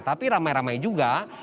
tapi ramai ramai juga